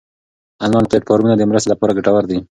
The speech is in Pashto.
انلاین پلیټ فارمونه د مرستې لپاره ګټور دي.